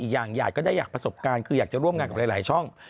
อย่างหยาดก็ได้อยากประสบการณ์คืออยากจะร่วมงานกับหลายช่อง